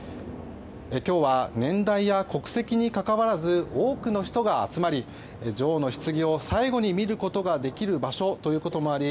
今日は年代や国籍にかかわらず多くの人が集まり女王のひつぎを最後に見ることができる場所ということもあり